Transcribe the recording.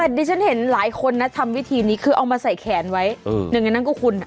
แต่ดิฉันเห็นหลายคนนะทำวิธีนี้คือเอามาใส่แขนไว้หนึ่งในนั้นก็คุณ